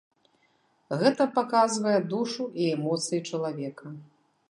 Гэта паказвае душу і эмоцыі чалавека.